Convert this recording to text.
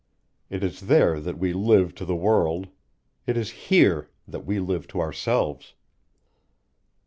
It is there that we live to the world; it is here that we live to ourselves.